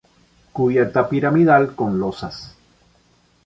Cubierta piramidal con losas.